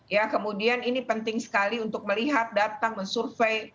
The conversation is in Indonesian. ya kemudian ini penting sekali untuk melihat datang mensurvey